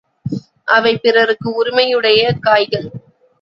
அவை பிறருக்கு உரிமையுடைய காய்கள்!